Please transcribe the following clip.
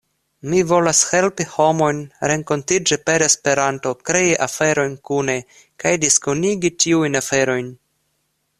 Mi volas helpi homojn renkontiĝi per Esperanto, krei aferojn kune, kaj diskonigi tiujn aferojn.